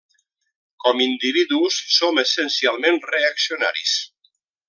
Com individus som essencialment reaccionaris.